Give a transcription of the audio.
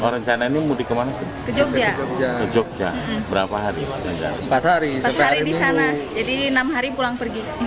rencana ini mau dikemana ke jogja jogja berapa hari empat hari empat hari di sana jadi enam hari pulang pergi